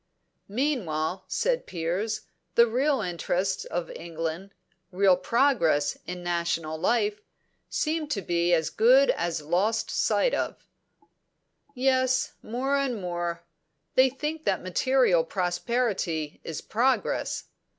"Meanwhile," said Piers, "the real interests of England, real progress in national life, seem to be as good as lost sight of." "Yes, more and more. They think that material prosperity is progress.